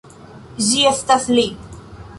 Ĝi estas li!